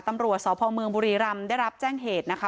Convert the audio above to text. ตำรวจสพเมืองบุรีรำได้รับแจ้งเหตุนะคะ